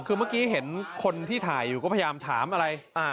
คือเมื่อกี้เห็นคนที่ถ่ายอยู่ก็พยายามถามอะไร